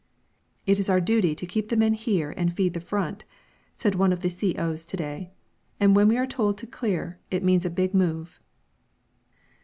"It is our duty to keep the men here and feed the front," said one of the C.O.s to day. "And when we are told to clear it means a big move."